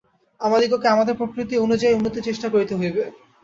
আমাদিগকে আমাদের প্রকৃতি অনুযায়ী উন্নতির চেষ্টা করিতে হইবে।